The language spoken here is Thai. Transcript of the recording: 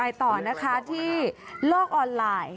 ไปต่อนะคะที่โลกออนไลน์